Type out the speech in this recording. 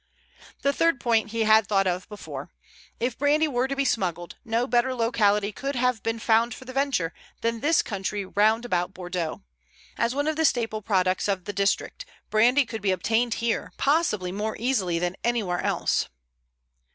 The third point he had thought of before. If brandy were to be smuggled, no better locality could have been found for the venture than this country round about Bordeaux. As one of the staple products of the district, brandy could be obtained here, possibly more easily than anywhere else.